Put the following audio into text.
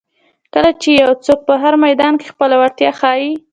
کله چې یو څوک په هر میدان کې خپله وړتیا ښایي.